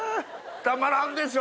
たまらんでしょ？